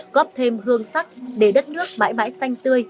góp thêm hương sắc để đất nước mãi mãi xanh tươi